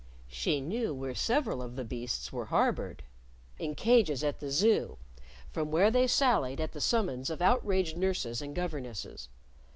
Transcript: She knew where several of the beasts were harbored in cages at the Zoo, from where they sallied at the summons of outraged nurses and governesses.